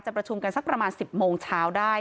ประชุมกันสักประมาณ๑๐โมงเช้าได้